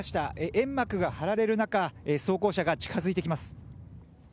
煙幕が張られる中装甲車が近づいてきます。